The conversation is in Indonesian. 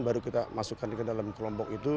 baru kita masukkan ke dalam kelompok itu